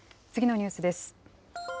次のニュースです。